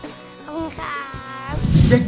ขอบคุณครับ